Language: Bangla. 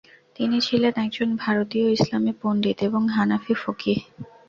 তিনি ছিলেন একজন ভারতীয় ইসলামি পণ্ডিত এবং হানাফি ফকিহ।